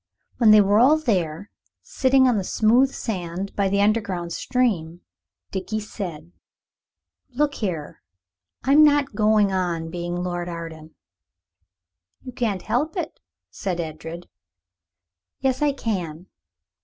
When they were all there, sitting on the smooth sand by the underground stream, Dickie said "Look here. I'm not going on being Lord Arden." "You can't help it," said Edred. "Yes, I can.